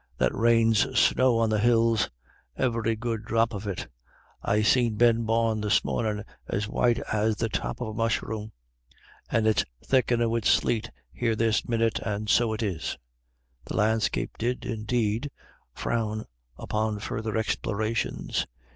That rain's snow on the hills, every could drop of it; I seen Ben Bawn this mornin' as white as the top of a musharoon, and it's thickenin' wid sleet here this minute, and so it is." The landscape did, indeed, frown upon further explorations.